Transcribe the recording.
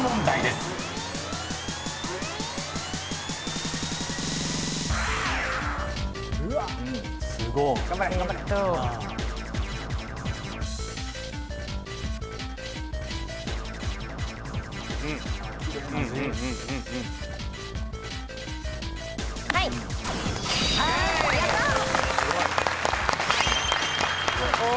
すごい。お。